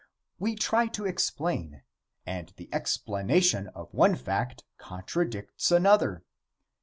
We try to explain, and the explanation of one fact contradicts another.